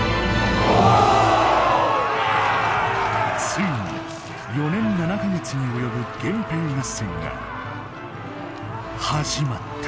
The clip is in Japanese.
ついに４年７か月に及ぶ源平合戦が始まった。